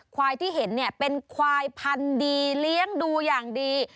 ควายที่เห็นเนี่ยเป็นควายพันธุ์ดีเลี้ยงดูอย่างดี